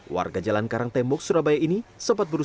warga jalan karang tembok surabaya ini sempat berusaha